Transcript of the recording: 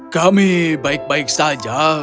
kami baik baik saja